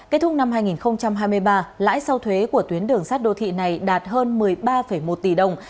kết thúc năm hai nghìn hai mươi ba lãi sau thuế của tuyến đường sát đô thị này đạt hơn một mươi ba một tỷ đồng